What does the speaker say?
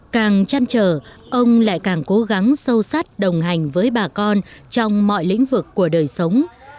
càng chăn trở ông lại càng cố gắng sâu sát đồng hành với bà con trong mọi lĩnh vực của đời sống